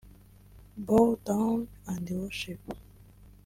Bow Down and worship